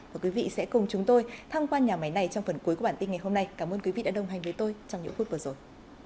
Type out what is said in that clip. và quý vị sẽ cùng chúng tôi tham quan nhà máy này trong phần cuối của bản tin ngày hôm nay cảm ơn quý vị đã đồng hành với tôi trong những phút vừa rồi